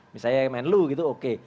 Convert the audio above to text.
misalnya yang main lu gitu oke